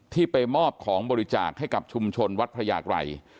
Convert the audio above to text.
ที่ไปมอบของบริจาคให้กับชุมชนวัดพระยากรัย